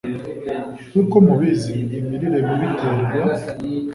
nk'uko mubizi, imirire mibi iterwa